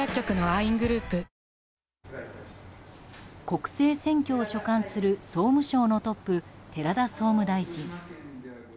国政選挙を所管する総務省のトップ、寺田総務大臣。